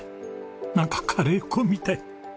なんかカレー粉みたい。